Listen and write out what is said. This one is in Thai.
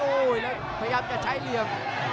แล้วพยายามจะใช้เหลี่ยม